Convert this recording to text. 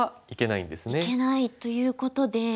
いけないということで。